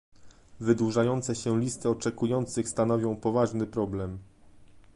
Wydłużające się listy oczekujących stanowią poważny problem